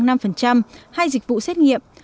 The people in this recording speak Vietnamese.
hai dịch vụ xét nghiệm